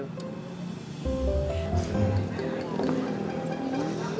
udah dua mobil